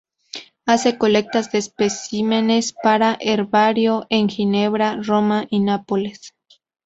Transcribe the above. Hace colectas de especímenes para Herbario en Ginebra, Roma y Nápoles.